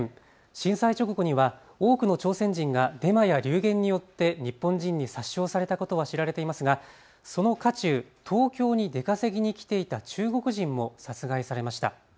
震災直後には多くの朝鮮人がデマや流言によって日本人に殺傷されたことは知られていますがその渦中、東京に出稼ぎに来ていた中国人も殺害されました。